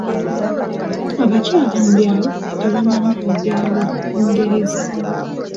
Abakyala mu byalo tebamanyi kwogera Lungereza.